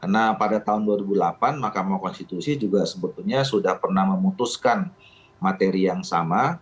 nah pada tahun dua ribu delapan makamah konstitusi juga sebetulnya sudah pernah memutuskan materi yang sama